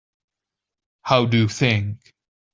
How do you think?